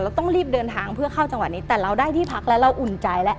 ต้องรีบเดินทางเพื่อเข้าจังหวัดนี้แต่เราได้ที่พักแล้วเราอุ่นใจแล้ว